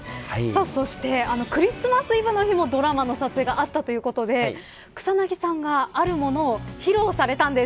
そして、クリスマスイブの日もドラマの撮影があったということで草なぎさんがあるものを披露されたんです。